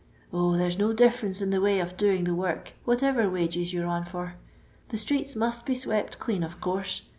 0, there 's no difference in the way of doing the work, whatever wages you 're on for; the streets must be swept clean, of course.